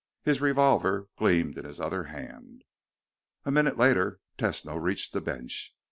His revolver gleamed in his other hand. A minute later, Tesno reached the bench.